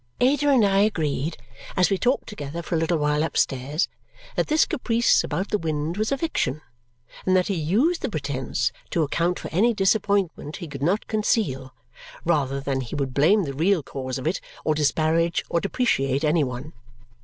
Ada and I agreed, as we talked together for a little while upstairs, that this caprice about the wind was a fiction and that he used the pretence to account for any disappointment he could not conceal, rather than he would blame the real cause of it or disparage or depreciate any one.